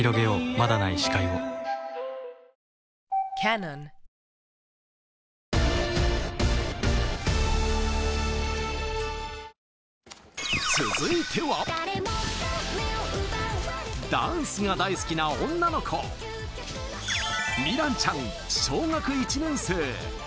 まだない視界を続いては、ダンスが大好きな女の子、美藍ちゃん、小学１年生。